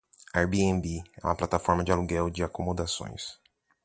Airbnb é uma plataforma de aluguel de acomodações.